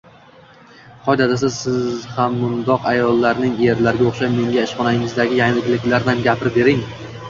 Hoy, dadasi, siz ham mundoq ayollarning erlariga o`xshab, menga ishxonangizdagi yangiliklardan gapirib bering